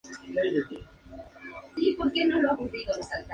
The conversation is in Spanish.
Sin embargo, la comunidad de Barranca Grande si cuenta con habitantes indígenas.